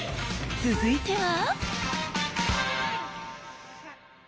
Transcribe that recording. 続いては。